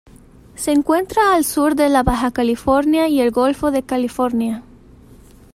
Se encuentra al sur de la Baja California y el Golfo de California.